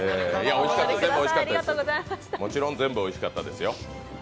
もちろん、全部おいしかったですよ。